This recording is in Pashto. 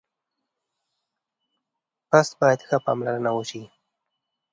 پسه باید ښه پاملرنه وشي.